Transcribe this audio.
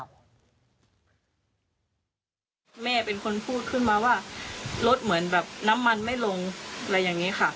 แม่เป็นคนพูดขึ้นมาว่ารถเหมือนแบบน้ำมันไม่ลงอะไรอย่างนี้ค่ะ